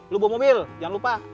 lo bawa mobil jangan lupa